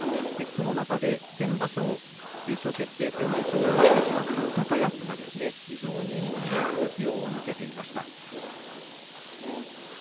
その中で先場所優勝決定戦、優勝を逃してしまった高安が非常にいい動きを見せていました。